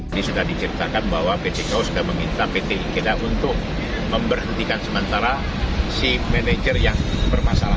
ini sudah diceritakan bahwa ptko sudah meminta pt ikeda untuk memberhentikan sementara si manajer yang bermasalah